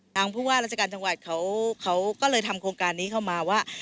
ผู้ว่าราชการจังหวัดเขาก็เลยทำโครงการนี้เข้ามาว่า